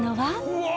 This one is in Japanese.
うわ！